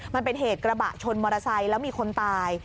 มันเป็นเหตุกระบะชนมอเตอร์ไซค์แล้วมีคนตาย